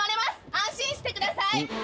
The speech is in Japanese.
安心してください。